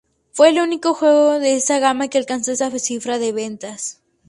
Fue el único juego de esa gama que alcanzó esa cifra de ventas.